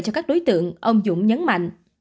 cho các đối tượng ông dũng nhấn mạnh